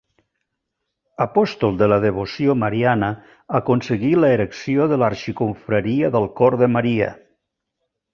Apòstol de la devoció mariana, aconseguí l'erecció de l'Arxiconfraria del Cor de Maria.